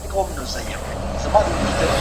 بختانه